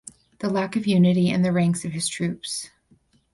Lack of unity in the ranks of his troops.